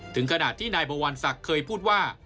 ถึงขนาดที่นายบวรศักดิ์เคยพูดว่า